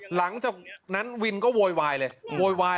หลังจากนั้นวินก็โวยวายเลยโวยวาย